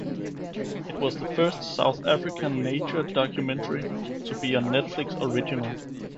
It was the first South African nature documentary to be on Netflix Original.